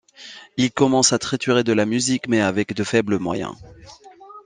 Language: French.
Il commence à triturer de la musique, mais avec de faibles moyens.